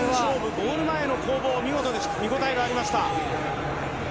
ゴール前の攻防、見応えがありました。